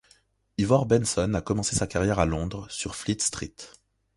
Ivor Benson a commencé sa carrière à Londres sur Fleet Street.